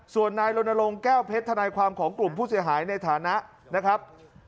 ส่วนนายลนลงแก้วเพชรทนายความของกลุ่มผู้เสียหายในฐานะนะครับ